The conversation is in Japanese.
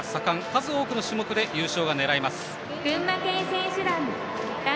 数多くの種目で優勝が狙えます。